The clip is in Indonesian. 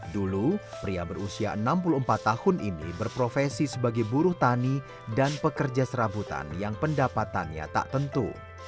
dulu pria berusia enam puluh empat tahun ini berprofesi sebagai buruh tani dan pekerja serabutan yang pendapatannya tak tentu